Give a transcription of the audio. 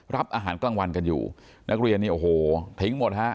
รับอาหารกลางวันกันอยู่นักเรียนนี่โอ้โหทิ้งหมดฮะ